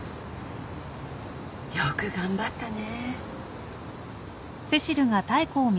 よく頑張ったね。